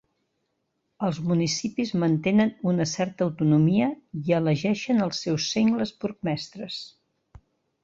Els municipis mantenen una certa autonomia i elegeixen els seus sengles burgmestres.